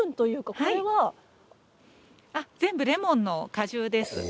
これはレモンの果汁です。